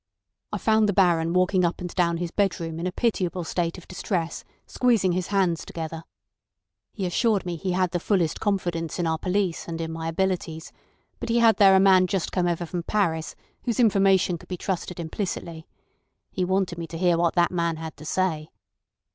I found the Baron walking up and down his bedroom in a pitiable state of distress, squeezing his hands together. He assured me he had the fullest confidence in our police and in my abilities, but he had there a man just come over from Paris whose information could be trusted implicity. He wanted me to hear what that man had to say.